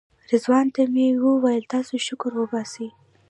رضوان ته مې ویل تاسې شکر وباسئ.